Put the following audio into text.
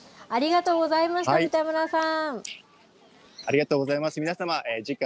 ありがとうございました、三田村さん。